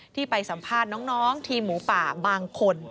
ที่ไปสัมภาษณ์น้องทีมหมูป่าบางคน